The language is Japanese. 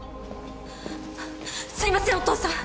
すいませんお父さん！